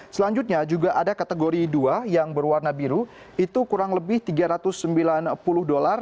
selanjutnya juga ada kategori dua yang berwarna biru itu kurang lebih tiga ratus sembilan puluh dolar